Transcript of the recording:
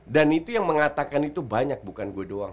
dan itu yang mengatakan itu banyak bukan gue doang